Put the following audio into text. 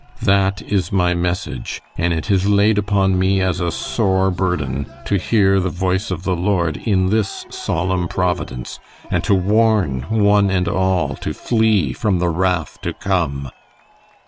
That is my message, and it is laid upon me as a sore burden to hear the voice of the Lord in this solemn Providence, and to warn one and all to flee from the wrath to come."